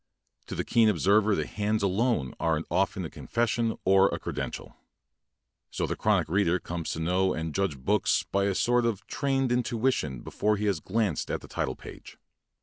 To the keen observer the hands alone are often a confession or a credential. So the chronic reader comes to know and judge books by a sort of trained intuition before he has glanced at the title page.